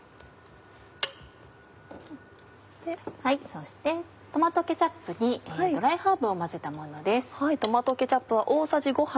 そしてトマトケチャップにドライハーブを混ぜたものです。